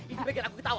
ini bagian aku ketawa